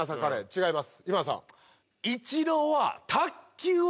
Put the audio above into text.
違います。